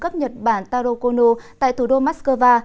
cấp nhật bản taro kono tại thủ đô mắc cơ va